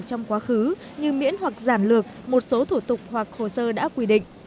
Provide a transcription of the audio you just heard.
trong quá khứ như miễn hoặc giản lược một số thủ tục hoặc khổ sơ đã quy định